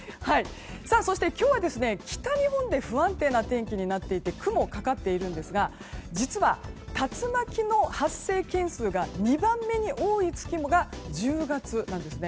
そして、今日は北日本で不安定な天気になっていて雲がかかっているんですが実は、竜巻の発生件数が２番目に多い月が１０月なんですね。